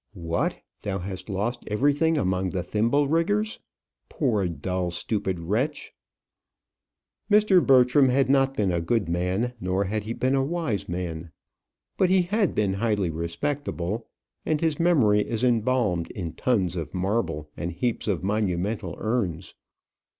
What! thou hast lost everything among the thimble riggers? Poor, dull, stupid wretch! Mr. Bertram had not been a good man, nor had he been a wise man. But he had been highly respectable, and his memory is embalmed in tons of marble and heaps of monumental urns.